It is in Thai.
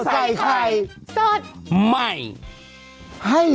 โหข่าวใส่ไข่